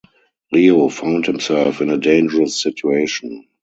Riou found himself in a dangerous situation.